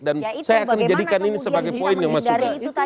dan saya akan menjadikan ini sebagai poin yang masuk ke